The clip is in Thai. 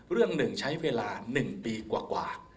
เรื่องหนึ่งใช้เวลา๑ปีกว่า